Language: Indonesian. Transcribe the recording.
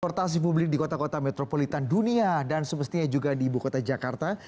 transportasi publik di kota kota metropolitan dunia dan semestinya juga di ibu kota jakarta